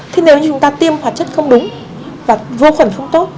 thế nếu như chúng ta tiêm hóa chất không đúng và vô khuẩn không tốt